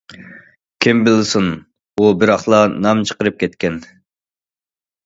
كىم بىلسۇن، ئۇ بىراقلا نام چىقىرىپ كەتكەن.